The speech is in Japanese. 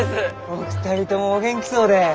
お二人ともお元気そうで！